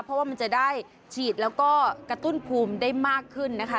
เพราะว่ามันจะได้ฉีดแล้วก็กระตุ้นภูมิได้มากขึ้นนะคะ